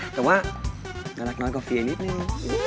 แต่ว่าน่ารักน้อยกว่าเฟียนิดนึง